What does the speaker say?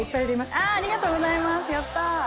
ありがとうございますやった！